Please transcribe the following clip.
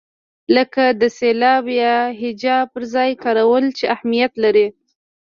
لکه د سېلاب یا هجا پر ځای کارول چې اهمیت لري.